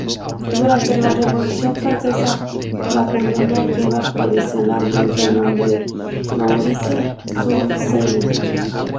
Durante la Revolución Francesa, la comuna lleva provisionalmente el nombre de "Maurice-sur-Seine".